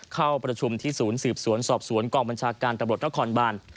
เข้าประชุมที่ศูนย์สืบสวนสอบสวนกองบัญชาการตำรวจนครบาน